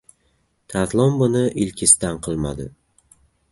Tarlon buni ilkisdan qilmadi.